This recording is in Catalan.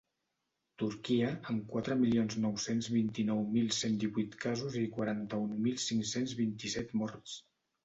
Turquia, amb quatre milions nou-cents vint-i-nou mil cent divuit casos i quaranta-un mil cinc-cents vint-i-set morts.